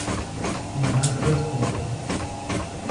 My husband's home!